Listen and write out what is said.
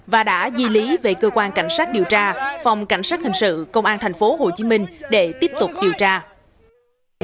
và đã di lý về cơ quan cảnh sát điều tra phòng cảnh sát hình sự công an tp hcm để tiếp tục điều tra